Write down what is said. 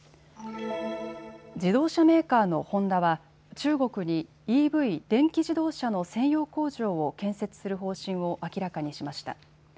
自動車メーカーのホンダは中国にＥＶ・電気自動車の専用工場を建設する方針を明らかにしました。